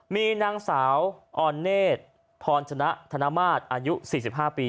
มีนางสาวออนเนธพรชนะธนมาตรอายุ๔๕ปี